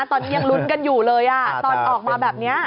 ตอนนี้ยังลุ้นกันอยู่เลยตอนออกมาแบบนี้